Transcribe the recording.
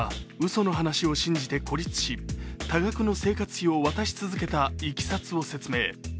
その話を信じて孤立し多額の生活費を渡し続けたいきさつを説明。